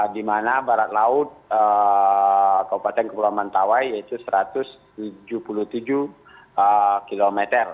di mana barat laut kabupaten kepulauan mentawai yaitu satu ratus tujuh puluh tujuh km